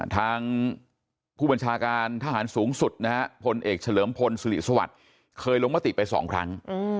ทางผู้บัญชาการทหารสูงสุดนะฮะพลเอกเฉลิมพลศิริสวัสดิ์เคยลงมติไป๒ครั้ง